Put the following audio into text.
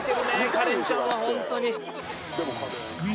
カレンちゃんはほんとに。